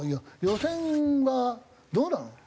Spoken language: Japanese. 予選はどうなの？